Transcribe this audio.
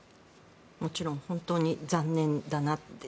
もちろん本当に残念だなって。